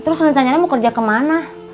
terus rencananya mau kerja kemana